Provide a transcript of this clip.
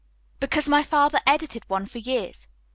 "Because my father edited one for years.